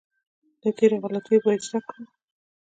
له تېرو غلطیو باید زده کړو.